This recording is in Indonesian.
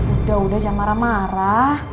udah udah jam marah marah